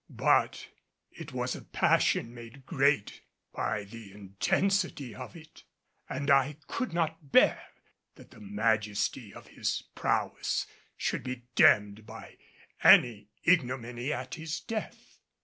But it was a passion made great by the intensity of it, and I could not bear that the majesty of his prowess should be dimmed by any ignominy at his death.